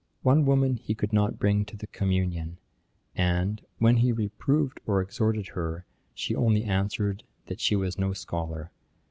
One woman he could not bring to the communion; and, when he reproved or exhorted her, she only answered, that she was no scholar.